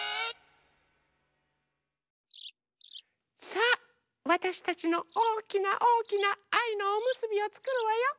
さあわたしたちのおおきなおおきなあいのおむすびをつくるわよ。